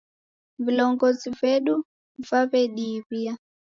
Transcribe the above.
Vilongozi vedu vaw'ediiw'ia.